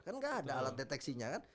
kan nggak ada alat deteksinya kan